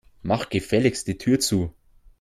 Mach gefälligst die Tür zu.